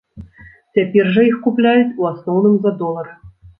Цяпер жа іх купляюць у асноўным за долары.